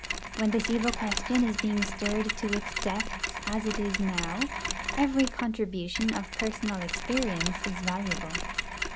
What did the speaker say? When this evil question is being stirred to its depths as it is now, every contribution of personal experience is valuable.